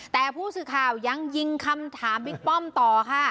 แต่ผู้สื่อข่าวยังยิงคำถามบิ๊กป้อมต่อค่ะ